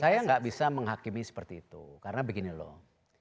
saya nggak bisa menghakimi seperti itu karena begini loh